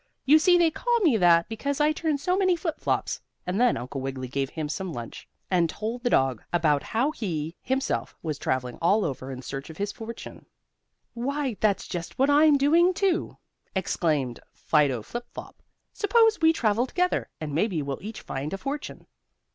"You see they call me that because I turn so many flip flops," and then Uncle Wiggily gave him some lunch, and told the dog about how he, himself, was traveling all over in search of his fortune. "Why, that's just what I'm doing, too," exclaimed Fido Flip Flop. "Suppose we travel together? and maybe we'll each find a fortune."